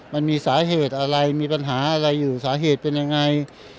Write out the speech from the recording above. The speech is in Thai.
มันมีสาเหตุอะไรมีปัญหาอะไรอยู่สาเหตุเป็นยังไง